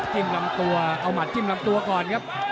้มลำตัวเอาหมัดจิ้มลำตัวก่อนครับ